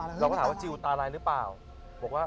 ในการเวลาเข้าไปที่แคบกันดานแคบหรือว่าอะไร